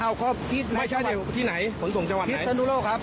อ้าวพี่ไม่ใช่ที่ไหนขนส่งจังหวัดไหนพิศนุโรครับ